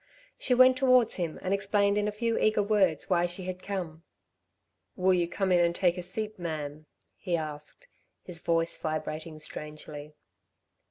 She went towards him and explained in a few eager words why she had come. "Will you come in and take a seat, ma'am," he asked, his voice vibrating strangely.